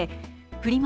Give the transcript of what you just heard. フリマ